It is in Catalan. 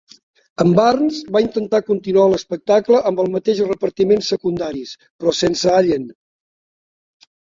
En Burns va intentar continuar l'espectacle amb el mateix repartiment secundaris però sense Allen.